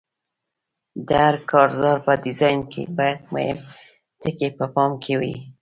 د هر کارزار په ډیزاین کې باید مهم ټکي په پام کې وي.